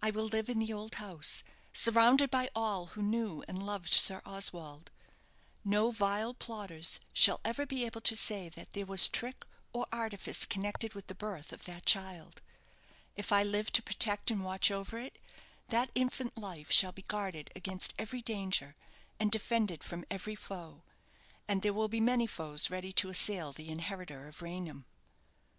I will live in the old house, surrounded by all who knew and loved Sir Oswald. No vile plotters shall ever be able to say that there was trick or artifice connected with the birth of that child. If I live to protect and watch over it, that infant life shall be guarded against every danger, and defended from every foe. And there will be many foes ready to assail the inheritor of Raynham."